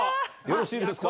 よろしいですか。